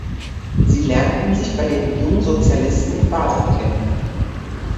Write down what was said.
Sie lernten sich bei den Jungsozialisten in Basel kennen.